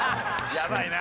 やばいな。